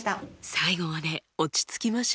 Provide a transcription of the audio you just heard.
最後まで落ち着きましょう。